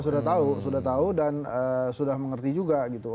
sudah tahu sudah tahu dan sudah mengerti juga gitu